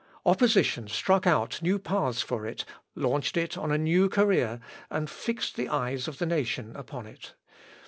Opposition struck out new paths for it, launched it on a new career, and fixed the eyes of the nation upon it.